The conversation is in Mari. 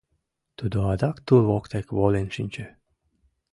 Тудо адак тул воктек волен шинче.